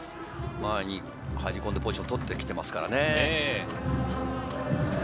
前に入り込んで、ポジションをとってきていますからね。